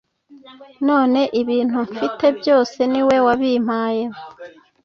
None ibintu mfite byose niwe wabimpaye